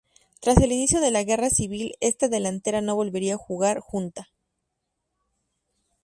Tras el inicio de la Guerra civil esta delantera no volvería a jugar junta.